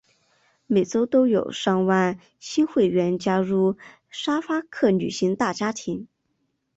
每周都有上万新会员加入沙发客旅行大家庭。